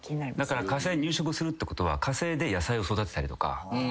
火星入植するってことは火星で野菜を育てたりとか。